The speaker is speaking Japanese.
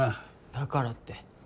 だからって。